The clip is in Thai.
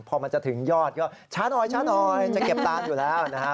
พอมันจะถึงยอดก็ช้าน้อยจะเก็บตาดอยู่แล้วนะฮะ